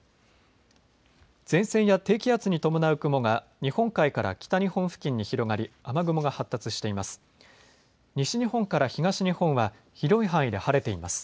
前線や低気圧に伴う雲が日本海から北日本付近に広がり雨雲が発達しています。